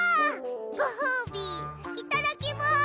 ごほうびいただきます！